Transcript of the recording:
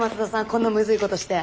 こんなむずいことして。